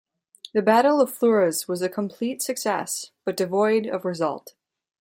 The Battle of Fleurus was a complete success, but devoid of result.